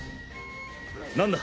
何だ？